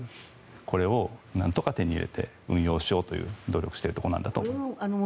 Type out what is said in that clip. これをなんとか手に入れて運用しようと努力をしているところなんだと思います。